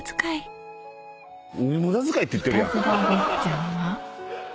「無駄づかい」って言ってるやん！